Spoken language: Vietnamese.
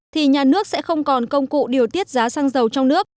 thì nhà nước sẽ không còn công cụ điều tiết giá xăng dầu trong nước